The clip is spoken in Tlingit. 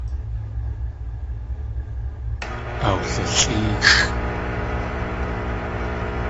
Awlilʼéexʼ.